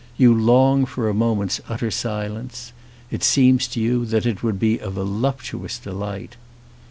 You long for a moment's utter silence. It seems to you that it would be a voluptuous delight.